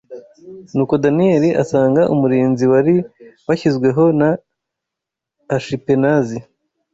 Nuko Daniyeli asanga umurinzi wari washyizweho na Ashipenazi